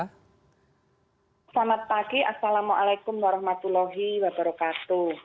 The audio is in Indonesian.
selamat pagi assalamualaikum warahmatullahi wabarakatuh